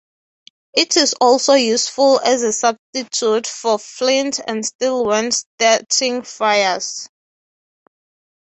It is also useful as a substitute for flint and steel when starting fires.